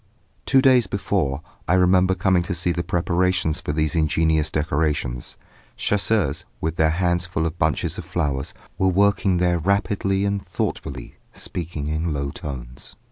Two days before, I remember coming to see the preparations for these ingenious decorations. Chasseurs, with their hands full of bunches of flowers, were working there rapidly and thoughtfully, speaking in low tones.